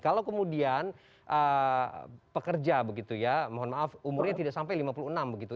kalau kemudian pekerja begitu ya mohon maaf umurnya tidak sampai lima puluh enam begitu